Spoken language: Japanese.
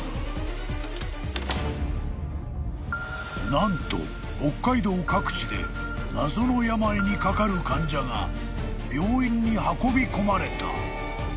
［何と北海道各地で謎の病にかかる患者が病院に運び込まれた］